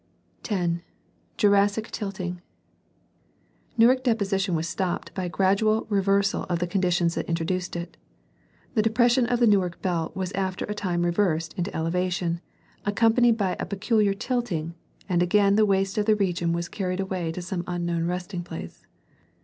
10. Jurassic tilting. — Newark deposition was stopped by a gradual reversal of the conditions that introduced it. The depression of the Newark belt was after a time reversed into elevation, accompanied by a peculiar tilting, and again the waste of the region was carried away to some unknown resting place.